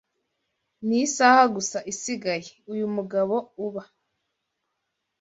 ni isaha gusa isigaye.”Uyu mugabo uba